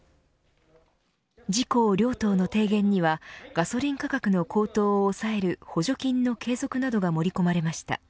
自公両党の提言にはガソリン価格の高騰を抑える補助金の継続などが盛り込まれました。